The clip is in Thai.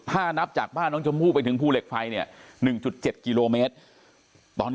ถ้านับจากบ้านน้องชมพู่ไปถึงภูเหล็กไฟเนี่ย๑๗กิโลเมตรตอน